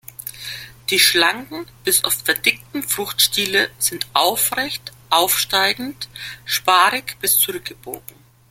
Die schlanken bis oft verdickten Fruchtstiele sind aufrecht, aufsteigend, sparrig bis zurückgebogen.